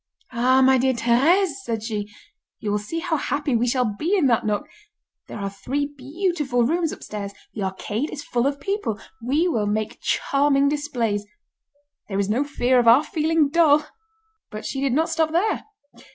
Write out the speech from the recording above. "Ah! my dear Thérèse," said she, "you will see how happy we shall be in that nook! There are three beautiful rooms upstairs. The arcade is full of people. We will make charming displays. There is no fear of our feeling dull." But she did not stop there.